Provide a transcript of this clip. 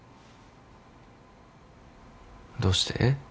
どうして？